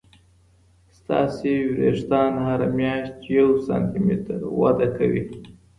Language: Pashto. ستاسې وریښتان هر میاشت یو سانتي متره وده کوي.